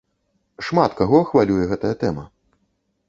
Шмат каго хвалюе гэтая тэма.